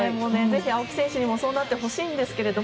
ぜひ青木選手にもそうなってほしいんですけど。